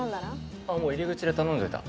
ああもう入り口で頼んでおいた。